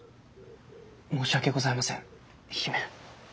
申し訳ございません姫。